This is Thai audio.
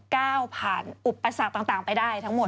ก้าวผ่านอุปสรรคต่างไปได้ทั้งหมด